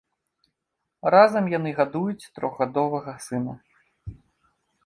Разам яны гадуюць трохгадовага сына.